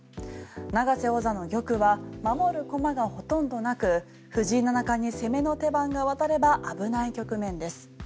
永瀬王座の玉は守る駒がほとんどなく藤井七冠に攻めの手番が渡れば危ない局面です。